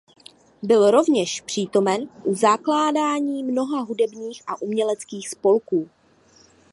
Byl rovněž přítomen u zakládání mnoha hudebních a uměleckých spolků.